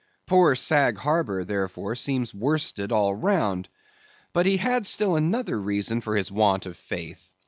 Poor Sag Harbor, therefore, seems worsted all round. But he had still another reason for his want of faith.